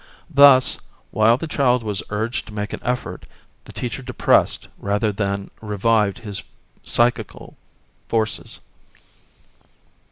Thus, while the child was urged to make an effort, the teacher depressed rather than revived his psychical forces.